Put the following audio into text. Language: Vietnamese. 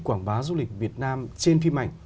quảng bá du lịch việt nam trên phim ảnh